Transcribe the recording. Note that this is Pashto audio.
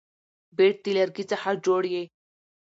بیټ د لرګي څخه جوړ يي.